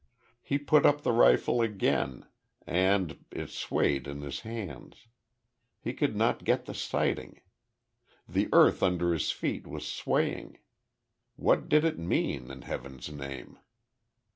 He put up the rifle again, and it swayed in his hands. He could not get the sighting. The earth under his feet was swaying. What did it mean, in Heaven's name?